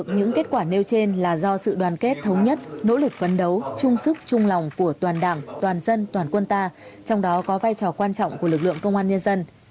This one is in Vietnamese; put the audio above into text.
những kết quả nêu trên là do sự đoàn kết thống nhất nỗ lực phấn đấu chung sức chung lòng của toàn đảng toàn dân toàn quân ta trong đó có vai trò quan trọng của lực lượng công an nhân dân